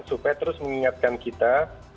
supaya terus mengingatkan kita